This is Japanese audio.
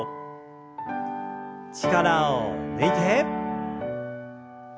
力を抜いて。